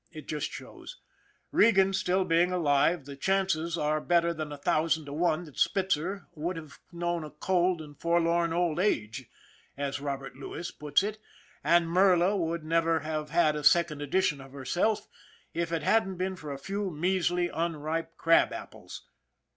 It just shows. Regan being still alive, the chances are better than a thousand to one that Spitzer would have known a cold and for lorn old age, as Robert Louis puts it, and Merla would never have had a second edition of herself if it hadn't been for a few measly, unripe crab apples.